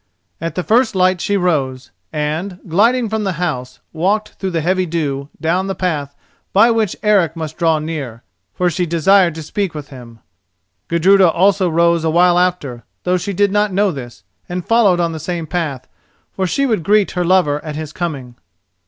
At the first light she rose, and, gliding from the house, walked through the heavy dew down the path by which Eric must draw near, for she desired to speak with him. Gudruda also rose a while after, though she did not know this, and followed on the same path, for she would greet her lover at his coming.